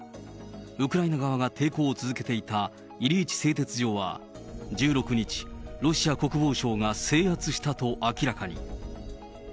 ウクライナ側が抵抗を続けていたイリイチ製鉄所は１６日、ロシア国防省が制圧したと明らかに。